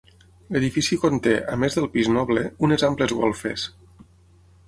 L'edifici conté, a més del pis noble, unes amples golfes.